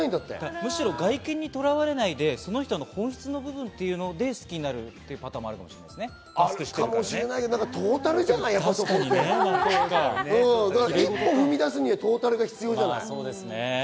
むしろ外見にとらわれないで、その人の本質の部分が好きになるっていうパターンもあるかもしれ一歩踏み出すにはトータルが必要じゃない。